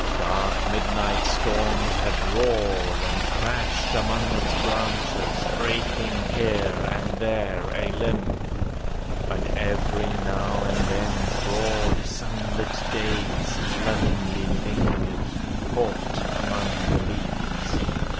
Dark midnight storms had roared and crashed among Its branches, breaking here and there a limb; But every now and then broad sunlit days Lovingly lingered, caught among the leaves.